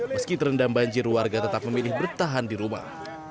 meski terendam banjir warga tetap memilih bertahan di rumah